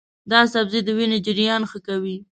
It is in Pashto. دا سبزی د وینې جریان ښه کوي.